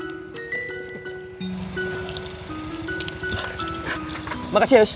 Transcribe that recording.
terima kasih yos